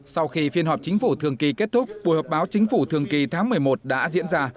sau khi phiên họp chính phủ thường kỳ kết thúc buổi họp báo chính phủ thường kỳ tháng một mươi một đã diễn ra